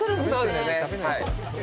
そうですね、はい。